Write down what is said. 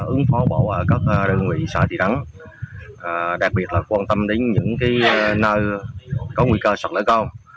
ứng phó bỏ các đơn vị xã thị đắng đặc biệt là quan tâm đến những nơi có nguy cơ xả lửa cao